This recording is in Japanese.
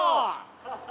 ハハハ。